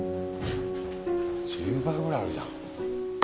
１０倍ぐらいあるじゃん。